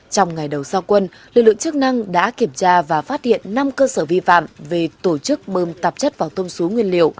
trong ngày đầu giao quân lực lượng chức năng đã kiểm tra và phát hiện năm cơ sở vi phạm về tổ chức bơm tạp chất vào tôm xú nguyên liệu